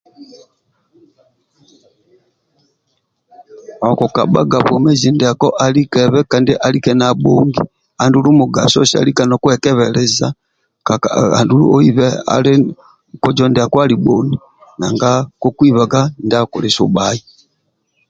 okukabhaga bwomezi ndiako alikebe kandi alike nabhongi andulu mugaso salika nokwekebelisa kaka aa andulu oibe ali kozo ndiako alibhoni nanga kukwibaga ndiakuli subhai